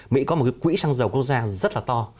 mỹ có một cái quỹ xăng dầu quốc gia rất là to